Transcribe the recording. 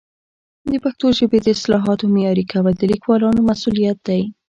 د پښتو ژبې د اصطلاحاتو معیاري کول د لیکوالانو مسؤلیت دی.